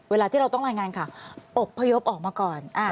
เวลาที่เราต้องรายงานข่าวอบพยพออกมาก่อน